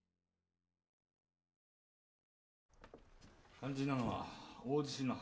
肝心なのは大地震の。